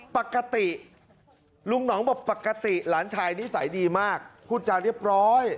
ปกติลุงหนองบอกปกติหลานชายนิสัยดีมากพูดจาเรียบร้อย